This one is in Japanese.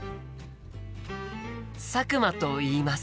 佐久間といいます。